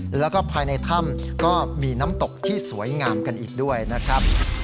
แล้วก็ภายในถ้ำก็มีน้ำตกที่สวยงามกันอีกด้วยนะครับ